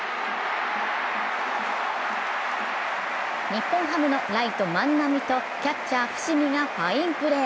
日本ハムのライト・万波とキャッチャー・伏見がファインプレー。